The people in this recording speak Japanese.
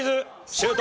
シュート！